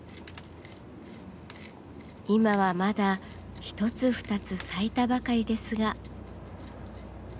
今はまだ一つ二つ咲いたばかりですが。